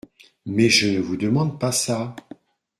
Mais je ne vous demande pas ça !